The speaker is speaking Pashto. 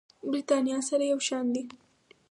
برېتانيا سره یو شان دي.